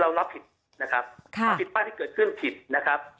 รับผิดนะครับความผิดพลาดที่เกิดขึ้นผิดนะครับ